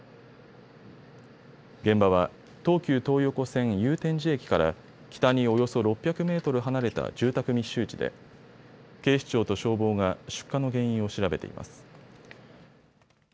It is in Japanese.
現場は東急東横線祐天寺駅から北におよそ６００メートル離れた住宅密集地で警視庁と消防が出火の原因を調べています。